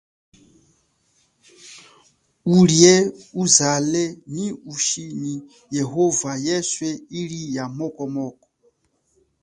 Ulie, uzale, nyi uchi nyi yehova yeswe ili ya moko moko.